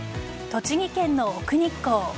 栃木県の奥日光。